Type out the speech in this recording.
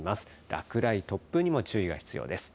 落雷、突風にも注意が必要です。